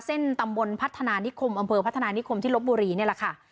ตำบลพัฒนานิคมอำเภอพัฒนานิคมที่ลบบุรีนี่แหละค่ะ